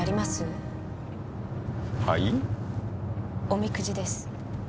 おみくじです。